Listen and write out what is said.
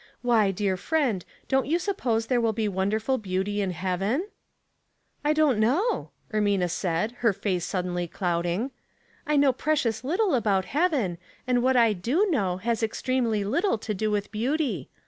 *' Why, dear friend, don't you suppose there will be wonderful beauty in heaven ?"'' I don't know," Ermina said, her face sud denly clouding. " I know precious little about heaven, and what I do know has extremely little to do with beauty.